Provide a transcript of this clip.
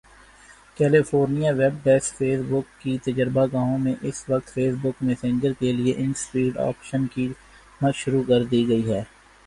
California web desk Facebook کی تجربہ گاہوں میں اس وقت فیس بک میسنجر کے لیے ان سینڈ آپشن کی مشق شروع کردی گئی ہے